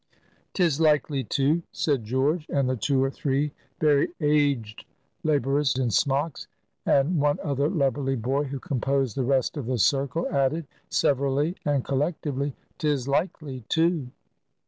"'Tis likely, too," said George. And the two or three very aged laborers in smocks, and one other lubberly boy, who composed the rest of the circle, added, severally and collectively, "'Tis likely, too."